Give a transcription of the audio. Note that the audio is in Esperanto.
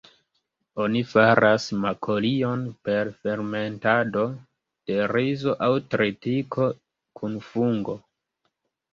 Oni faras makolion per fermentado de rizo aŭ tritiko kun fungo.